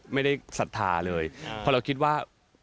ไม่ได้ศรัทธาเลยเพราะเราคิดว่า